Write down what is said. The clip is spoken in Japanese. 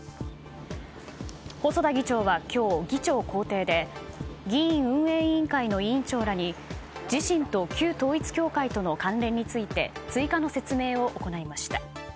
細田議長は今日、議長公邸で議院運営委員会の委員長らに自身と旧統一教会との関連について追加の説明を行いました。